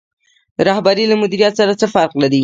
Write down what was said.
رهبري له مدیریت سره څه فرق لري؟